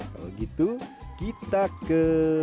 kalau gitu kita ke